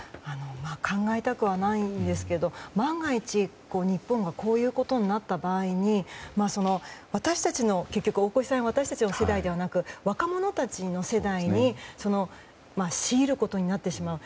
考えたくはないんですが万が一、日本がこういうことになった場合に結局私たちや大越さんの世代ではなく若者たちの世代に強いることになってしまう。